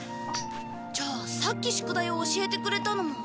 じゃあさっき宿題を教えてくれたのもキミ？